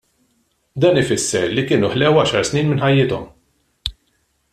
Dan ifisser li kienu ħlew għaxar snin minn ħajjithom.